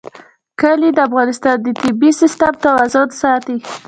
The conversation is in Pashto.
کلي د افغانستان د طبعي سیسټم توازن ساتي.